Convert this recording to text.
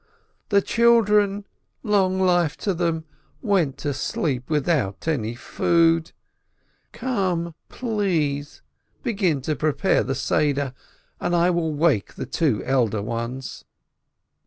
The children, long life to them, went to sleep without any food. Come, please, begin to prepare for the Seder, and I will wake the two elder ones."